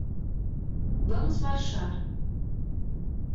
Vamos marchar